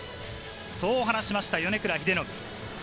そう話しました米倉英信。